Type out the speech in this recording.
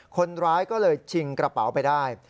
คนร้ายก็เลยชิงกระเป๋าไปได้